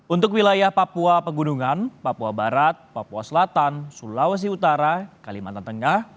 untuk wilayah papua pegunungan papua barat papua selatan sulawesi utara kalimantan tengah